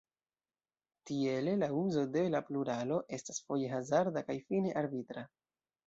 Tiele la "uzo de la pluralo estas foje hazarda kaj fine arbitra".